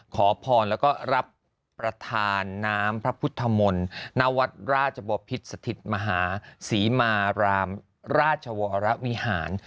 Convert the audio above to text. ขอพรแล้วก็รับประทานน้ำพระพุทธมนต์ณวัดราชบพิษสถิตมหาศรีมารามราชวรวิหาร